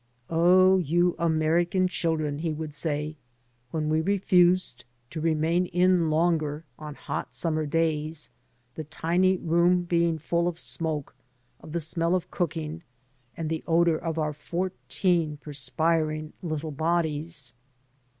" Oh, you American children," he would say when we refused to remain in longer on hot summer days, the tiny room being full of smoke, of the smell of cooking, and the odour of our fourteen perspiring little bodies.